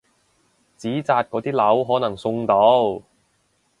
紙紮嗰啲樓可能送到！